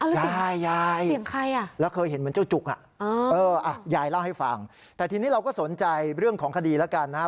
ยายยายแล้วเคยเห็นเหมือนเจ้าจุกยายเล่าให้ฟังแต่ทีนี้เราก็สนใจเรื่องของคดีแล้วกันนะฮะ